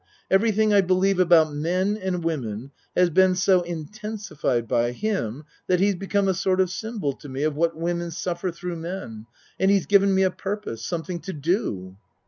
Everything I believe about men and women has been so intensi fied by him that he has become a sort of symbol to me of what women suffer through men and he's given me a purpose something to do.